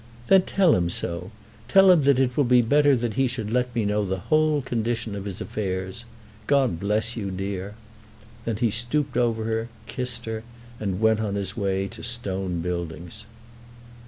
"Then tell him so. Tell him that it will be better that he should let me know the whole condition of his affairs. God bless you, dear." Then he stooped over her, and kissed her, and went his way to Stone Buildings.